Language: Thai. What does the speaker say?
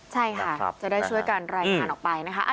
ใช่ค่ะจะได้ช่วยกันรายงานออกไปนะคะ